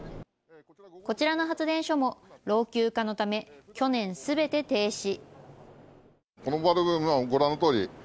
こちらの発電所も老朽化のため去年すべて停止。